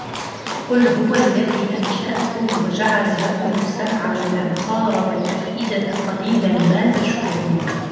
قُلْ هُوَ الَّذِي أَنْشَأَكُمْ وَجَعَلَ لَكُمُ السَّمْعَ وَالْأَبْصَارَ وَالْأَفْئِدَةَ قَلِيلًا مَا تَشْكُرُونَ